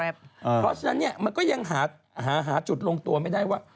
เพราะฉะนั้นมันก็ยังหาจุดลงตัวไม่ได้ว่า